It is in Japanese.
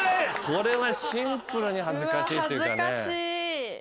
これはシンプルに恥ずかしいっていうかね。